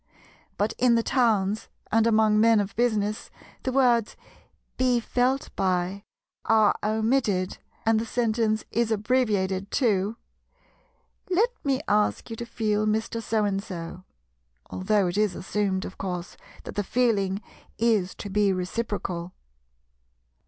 But in the towns, and among men of business, the words "be felt by" are omitted and the sentence is abbreviated to, "Let me ask you to feel Mr. So and so"; although it is assumed, of course, that the "feeling" is to be reciprocal.